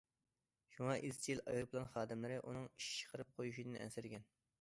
شۇڭا ئىزچىل ئايروپىلان خادىملىرى ئۇنىڭ ئىش چىقىرىپ قويۇشىدىن ئەنسىرىگەن.